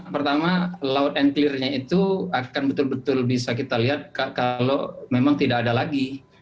pertama loud and clear nya itu akan betul betul bisa kita lihat kalau memang tidak ada lagi